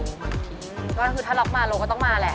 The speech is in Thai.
คือถ้าล็อคมาโลก็ต้องมาแหละ